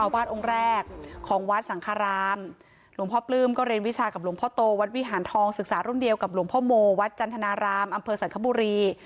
วัดวิหารทองศึกษารุ่นเดียวกับหลวงพ่อโมวัดจันทนารามอำเภอสันคบุรี